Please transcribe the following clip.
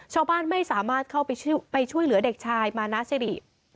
ชาวบ้านไม่สามารถเข้าไปช่วยเหลือเด็กชายมานาซิริ